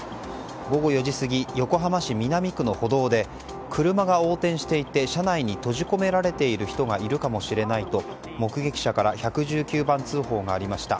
午後４時過ぎ横浜市南区の歩道で車が横転していて車内に閉じ込められている人がいるかもしれないと、目撃者から１１９番通報がありました。